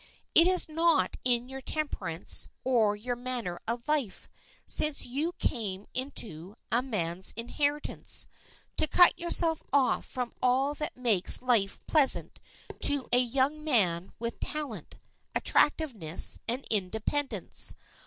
"It is not in your temperament or your manner of life, since you came into a man's inheritance, to cut yourself off from all that makes life pleasant to a young man with talent, attractiveness, and independence.